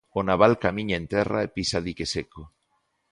O naval camiña en terra e pisa dique seco.